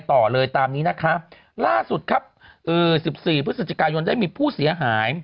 ต่อเลยตามนี้นะคะล่าสุดครับเอ่อสิบสี่พฤศจิกายนได้มีผู้เสียหาย